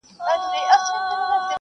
زدهکوونکي د ښوونځي له مقرراتو پیروي کوي.